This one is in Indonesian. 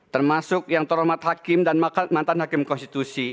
termasuk yang toron mat hakim dan mantan hakim konstitusi